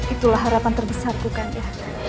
itulah harapan terbesarku kakanda